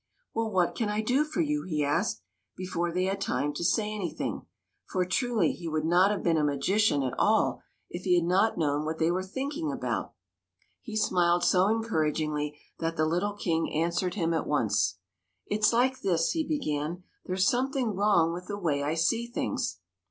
'' Well, what can I do for you ?" he asked, before they had time to say anything; for, truly, he would not have been a magician at THE MAGICIAN'S TEA PARTY 39 all if he had not known what they were think ing about. He smiled so encouragingly that the little King answered him at once. '' It s like this/' he began, '' there 's some thing wrong with the way I see things."